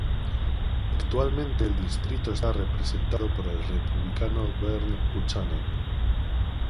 Actualmente el distrito está representado por el Republicano Vern Buchanan.